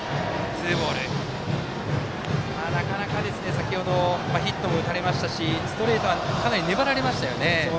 先ほど、ヒットも打たれましたしストレートも粘られましたよね。